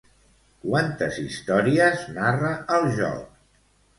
Quantes històries narra el joc?